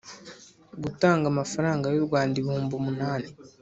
gutanga amafaranga y u Rwanda ibihumbi umunani